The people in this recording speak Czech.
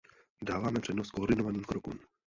Dáváme přednost koordinovaným krokům.